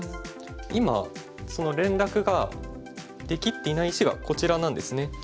今その連絡ができっていない石がこちらなんですね。